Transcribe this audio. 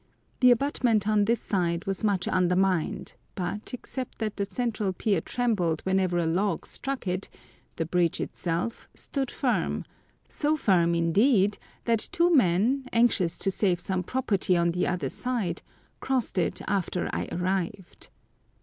The abutment on this side was much undermined, but, except that the central pier trembled whenever a log struck it, the bridge itself stood firm—so firm, indeed, that two men, anxious to save some property on the other side, crossed it after I arrived.